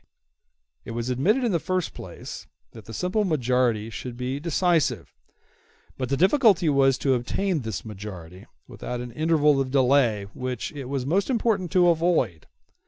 It was admitted in the first place that the simple majority should be decisive; but the difficulty was to obtain this majority without an interval of delay which it was most important to avoid.